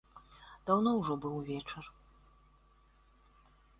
Даўно ўжо быў вечар.